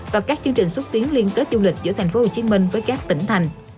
và các chương trình xuất tiến liên kết du lịch giữa thành phố hồ chí minh với các tỉnh thành